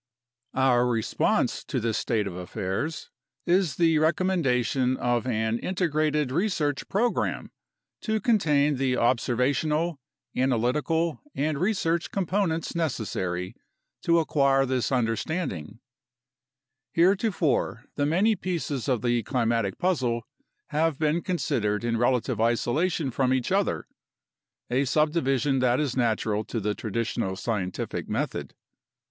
Our response to this state of affairs is the recommendation of an integrated research program to contain the observational, analytical, and research components necessary to acquire this understanding. 62 A NATIONAL CLIMATIC RESEARCH PROGRAM 63 Heretofore the many pieces of the climatic puzzle have been considered in relative isolation from each other, a subdivision that is natural to the traditional scientific method.